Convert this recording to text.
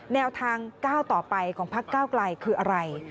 แนวทางก้าวต่อไปของพักเก้าไกลคืออะไร